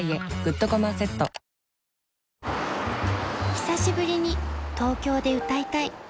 ［「久しぶりに東京で歌いたい」］